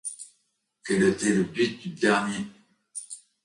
Quel était le but du dernier?